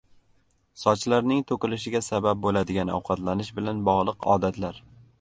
Sochlarning to‘kilishiga sabab bo‘ladigan ovqatlanish bilan bog‘liq odatlar